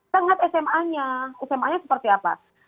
saya nggak tahu sma nya sma nya seperti apa